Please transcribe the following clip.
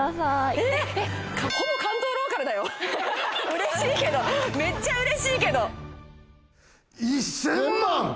うれしいけどめっちゃうれしいけど。